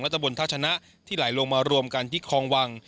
ตะบนท่าชนะที่ไหลลงมารวมกันที่คลองวัง